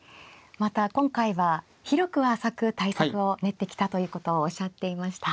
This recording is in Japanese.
また今回は広く浅く対策を練ってきたということをおっしゃっていました。